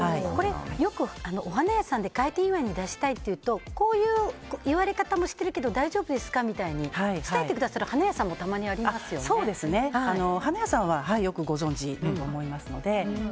よくお花屋さんで開店祝いに出したいっていうとこういう言われ方もしてるけど大丈夫ですかみたいに伝えてくださる花屋さんも花屋さんはよくご存じだと思いますので。